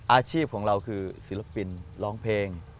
อาชีพของเราคือศิลปินร้องเพลง